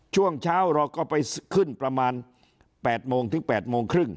ช่วงเช้าเราก็ไปขึ้นประมาณ๘โมงถึง๘โมงครึ่ง